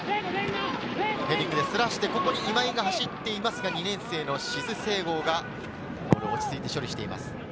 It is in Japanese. ヘディングですらして、ここに今井が走っていますが、２年生の志津正剛が落ち着いて処理しています。